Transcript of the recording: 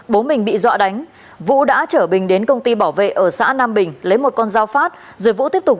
bố mình bị dọa đánh vũ đã chở bình đến công ty bảo vệ ở xã nam bình lấy một con dao phát rồi vũ tiếp tục